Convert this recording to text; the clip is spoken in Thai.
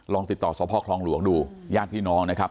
ติดต่อสพคลองหลวงดูญาติพี่น้องนะครับ